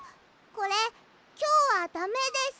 これきょうはダメです！